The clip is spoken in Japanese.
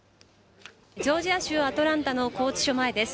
ジョージア州アトランタの拘置所前です。